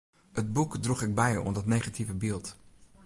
It boek droech ek by oan dat negative byld.